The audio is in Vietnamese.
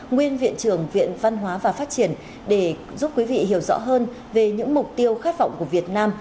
nguyên viện trưởng viện văn hóa và phát triển để giúp quý vị hiểu rõ hơn về những mục tiêu khát vọng của việt nam